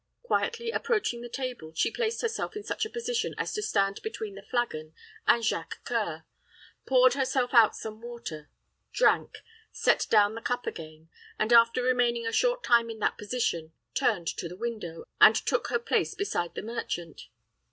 Quietly approaching the table, she placed herself in such a position as to stand between the flagon and Jacques C[oe]ur, poured herself out some water, drank, set down the cup again, and after remaining a short time in that position, turned to the window, and took her place beside the merchant.